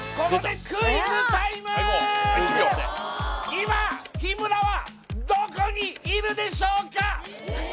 今日村はどこにいるでしょうか？